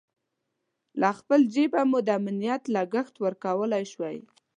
له خپل جېبه مو د امنیت لګښت ورکولای شوای.